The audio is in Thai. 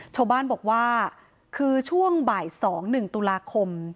ชาวบ้านบอกว่าคือช่วงบ่าย๒๑ตุลาคม